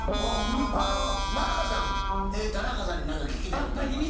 あのマッハさん田中さんに何か聞きたいことありましたら。